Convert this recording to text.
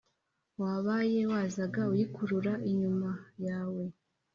wabaye wazaga uyikurura inyuma yawe?